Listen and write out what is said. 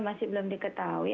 cuman masih belum diketahui